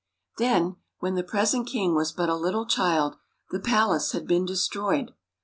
Then, when the present king was but a little child, the palace had been destroyed.